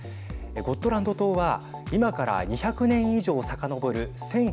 ゴットランド島は今から２００年以上さかのぼる